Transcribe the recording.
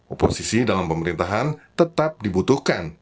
oposisi dalam pemerintahan tetap dibutuhkan